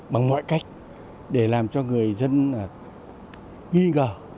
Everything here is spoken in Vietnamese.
bằng mọi cách để làm cho người dân nghi ngờ